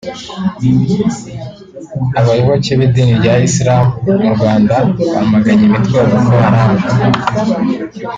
Abayoboke b’idini rya Isilamu mu Rwanda bamaganye imitwe ya Boko Haram